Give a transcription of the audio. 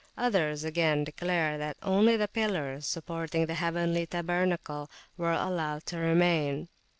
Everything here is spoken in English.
Others, again, declare that only the pillars supporting the heavenly tabernacle were allowed to remain.